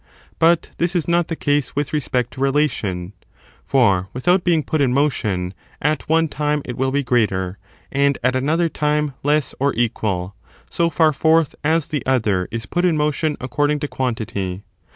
But this is not the case with respect to relation ; for, without being put in motion, at one time it will be greater, and at another time less or equal, so far forth as the other is put in motion according to quantity.